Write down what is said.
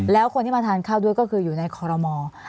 แล้วคนที่มาทานข้าวด้วยก็คืออยู่ในคอรมอล์